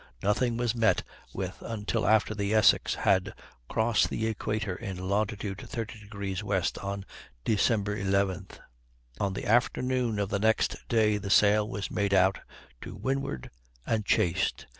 Nothing was met with until after the Essex had crossed the equator in longitude 30° W. on Dec. 11th. On the afternoon of the next day a sail was made out to windward, and chased.